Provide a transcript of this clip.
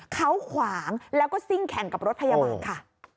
เขาขวางแล้วก็ซิ่งแข่งกับรถพยาบาลค่ะ